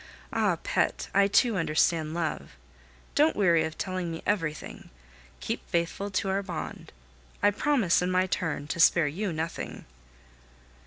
Ah! pet, I too understand love. Don't weary of telling me everything. Keep faithful to our bond. I promise, in my turn, to spare you nothing.